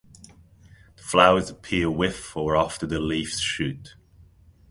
The flowers appear with or after the leaves shoot.